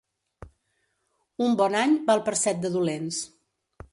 Un bon any val per set de dolents.